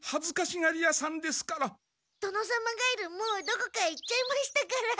トノサマガエルもうどこかへ行っちゃいましたから。